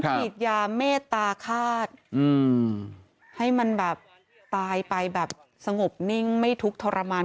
ฉีดยาเมตตาฆาตให้มันแบบตายไปแบบสงบนิ่งไม่ทุกข์ทรมาน